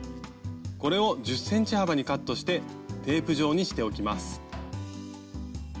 これを１０ｃｍ幅にカットしてテープ状にしておきます。